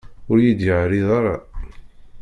Ur yi-d-yeɛriḍ ara.